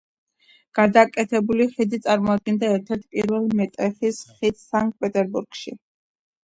გადაკეთებული ხიდი წარმოადგენდა ერთ-ერთ პირველ მეტალის ხიდს სანქტ-პეტერბურგში.